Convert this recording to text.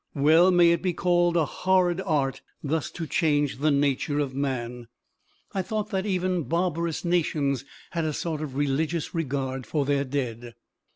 Well may it be called a horrid art thus to change the nature of man. I thought that even barbarous nations had a sort of religious regard for their dead."